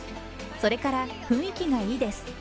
それから雰囲気がいいです。